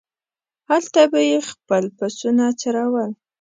هلته به یې خپل پسونه څرول.